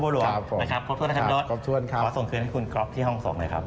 ขอส่งคืนให้คุณกรอบที่ห้อง๒